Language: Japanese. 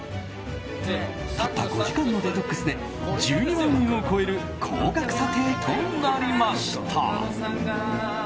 たった５時間のデトックスで１２万円を超える高額査定となりました。